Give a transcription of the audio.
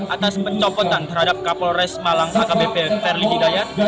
atas pencopotan terhadap kapol resmalang akbp perlini gayat